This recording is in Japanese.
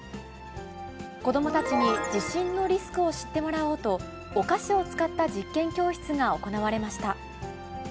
子どもたちに自身のリスクを知ってもらおうと、お菓子を使った実験教室が行われました。